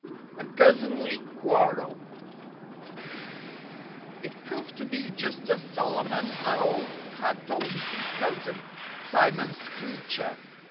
XVIII A Cousinly Quarrel It proved to be just as Solomon Owl had told his cousin, Simon Screecher.